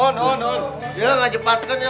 nggak cepatkan ya